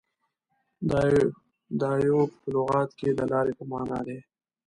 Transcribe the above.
• دایو په لغت کې د لارې په معنیٰ دی.